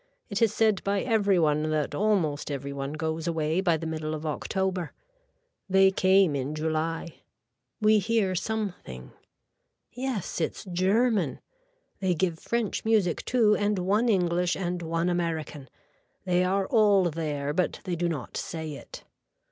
It is said by every one that almost every one goes away by the middle of October. They came in July. We hear something. Yes it's german. They give French music too and one English and one American. They are all there but they do not say it.